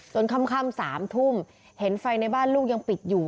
ค่ำ๓ทุ่มเห็นไฟในบ้านลูกยังปิดอยู่